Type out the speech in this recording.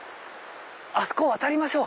あそこ渡りましょう！